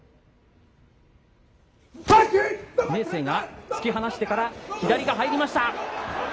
明生が突き放してから左が入りました。